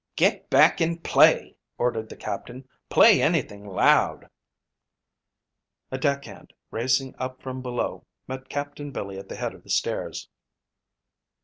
"Get back and play," ordered the captain. "Play anything loud." A deck hand, racing up from below, met Captain Billy at the head of the stairs.